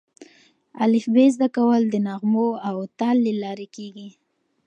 الفبې زده کول د نغمو او تال له لارې کېږي.